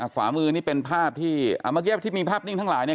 ขวามือนี่เป็นภาพที่เมื่อกี้ที่มีภาพนิ่งทั้งหลายเนี่ย